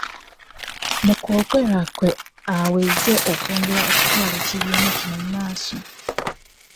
Mu kwogera kwe aweze okwongera okutwala ekibiina kino mu maaso.